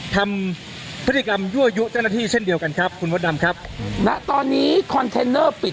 ทางกลุ่มมวลชนทะลุฟ้าทางกลุ่มมวลชนทะลุฟ้า